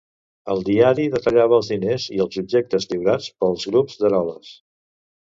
El diari detallava els diners i els objectes lliurats, pels grups d'Eroles.